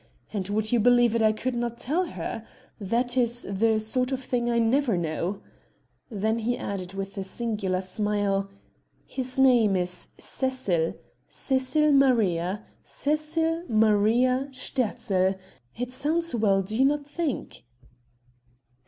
and would you believe it, I could not tell her. That is the sort of thing I never know." Then he added with a singular smile: "His name is Cecil Cecil Maria. Cecil Maria Sterzl! It sounds well do not you think?"